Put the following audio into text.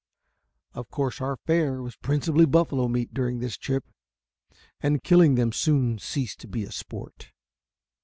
Of course our fare was principally buffalo meat during this trip, and killing them soon ceased to be a sport.